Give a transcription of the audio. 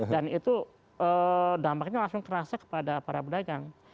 dan itu dampaknya langsung terasa kepada para pedagang